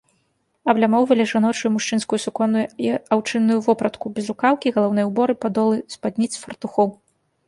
Аблямоўвалі жаночую і мужчынскую суконную і аўчынную вопратку, безрукаўкі, галаўныя ўборы, падолы спадніц, фартухоў.